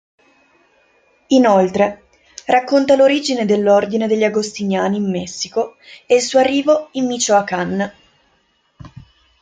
Inoltre, racconta l'origine dell'ordine degli agostiniani in Messico e il suo arrivo in Michoacán.